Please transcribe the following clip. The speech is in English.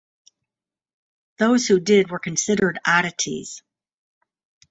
Those who did were considered oddities.